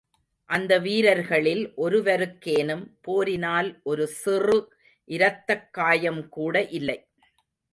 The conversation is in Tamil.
அந்த வீரர்களில் ஒருவருக்கேனும் போரினால் ஒரு சிறு இரத்தக் காயம்கூட இல்லை.